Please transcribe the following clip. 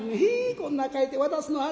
「こんなん書いて渡すの」。